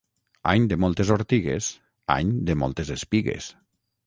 Any de moltes ortigues, any de moltes espigues.